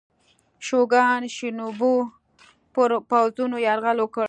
شوګان شینوبو پر پوځونو یرغل وکړ.